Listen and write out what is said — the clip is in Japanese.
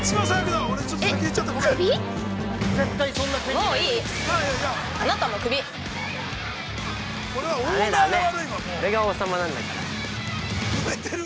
◆だめだめ、俺が王様なんだから。